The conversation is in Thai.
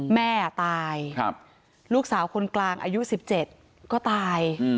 แม่ตายลูกสาวคนกลางอายุ๑๗ก็ตาย